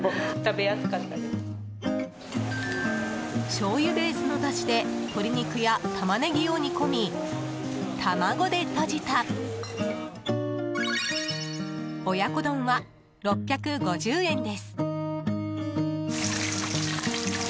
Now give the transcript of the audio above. しょうゆベースのだしで鶏肉やタマネギを煮込み卵でとじた親子丼は６５０円です。